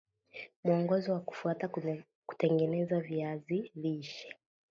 Muongozo wa kufuata kutengeneza viazi lishe